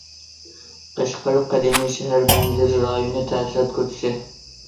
قەشقەر قەدىمىي شەھەر مەنزىرە رايونى تەسىرات كوچىسى.